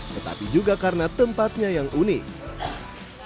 tetapi juga karena tempatnya yang unik